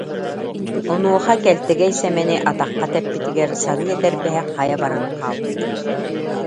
Онуоха Кэлтэгэй Сэмэни атахха тэппитигэр сарыы этэрбэһэ хайа баран хаалбыт